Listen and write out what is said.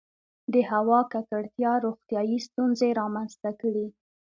• د هوا ککړتیا روغتیایي ستونزې رامنځته کړې.